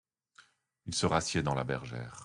Il se rassied dans la bergère.